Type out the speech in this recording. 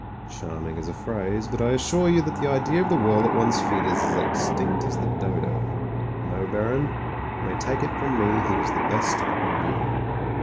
"Qiarming as a phrase, but I assure you that the idea of the world at one's feet is as extinct as the dodo. No, Baron, you may take it from me he was the best I could do.